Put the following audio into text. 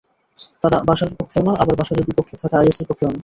তারা বাশারের পক্ষেও না, আবার বাশারের বিপক্ষে থাকা আইএসের পক্ষেও না।